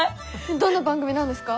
どんな番組なんですか？